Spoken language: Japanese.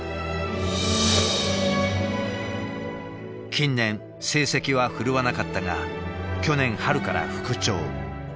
近年成績は振るわなかったが去年春から復調。